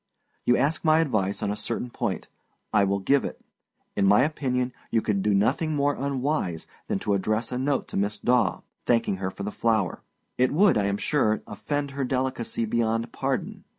You ask my advice on a certain point. I will give it. In my opinion you could do nothing more unwise that to address a note to Miss Daw, thanking her for the flower. It would, I am sure, offend her delicacy beyond pardon.